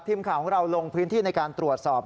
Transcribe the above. ทีมข่าวของเราลงพื้นที่ในการตรวจสอบ